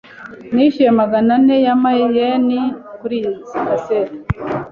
Nishyuye maganane ya ma yen kuriyi kaseti.